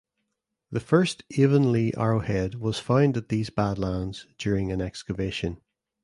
The first Avonlea Arrowhead was found at these badlands during an excavation.